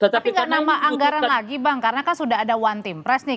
tapi nggak nama anggaran lagi bang karena kan sudah ada one team press nih